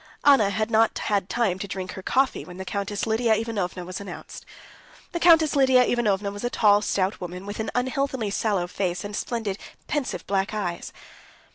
Anna had not had time to drink her coffee when the Countess Lidia Ivanovna was announced. The Countess Lidia Ivanovna was a tall, stout woman, with an unhealthily sallow face and splendid, pensive black eyes.